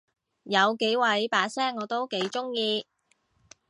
有幾位把聲我都幾中意